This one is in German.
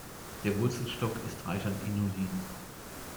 Der „Wurzelstock“ ist reich an Inulin.